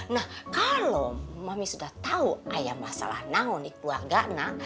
nah kalo mami sudah tau ada masalah naon di keluarganya